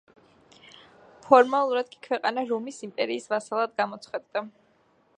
ფორმალურად კი ქვეყანა რომის იმპერიის ვასალად გამოცხადდა.